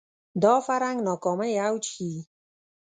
دا فرهنګ ناکامۍ اوج ښيي